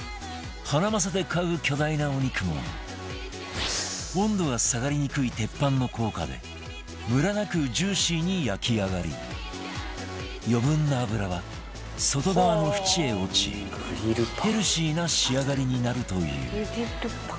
ハナマサで買う巨大なお肉も温度が下がりにくい鉄板の効果でムラなくジューシーに焼き上がり余分な脂は外側のフチへ落ちヘルシーな仕上がりになるという